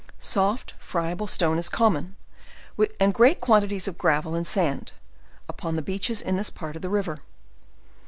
Soft friable stone is common, and great quantities of grav el and sand, upon the beaches in this part of the river.